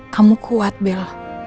kamu kuat bel